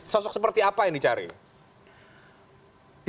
sosok seperti apa yang dicari